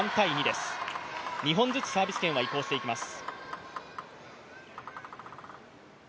２本ずつサービス権は移動していきます。